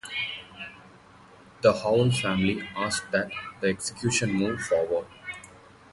The Howell family asked that the execution move forward.